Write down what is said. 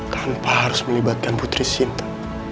tanpa harus melibatkan putri sinta